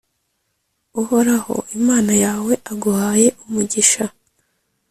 uhoraho imana yawe aguhaye umugisha,